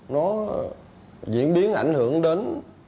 nó diễn biến ảnh hưởng đến